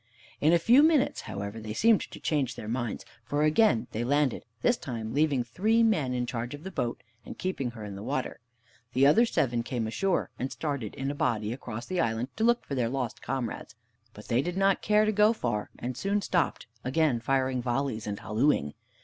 In a few minutes, however, they seemed to change their minds, for again they landed, this time leaving three men in charge of the boat, and keeping her in the water. The other seven came ashore, and started in a body across the island to look for their lost comrades. But they did not care to go far, and soon stopped, again firing volleys and hallooing.